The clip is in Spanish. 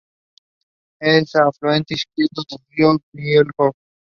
Es un afluente izquierdo del río Vóljov.